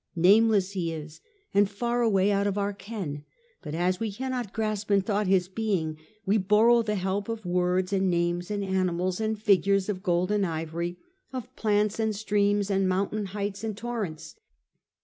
Nameless He is, and far away out of our ken; but as we cannot grasp in thought His being, we borrow the help of words, and names, and animals, and figures of gold and ivory ; of plants and streams, and mountain heights cn. VII. i6o The Age of the Antonines, ind torrents.